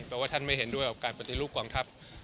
แต่ว่าท่านไม่เห็นด้วยกับการปฏิรูปกองทัพ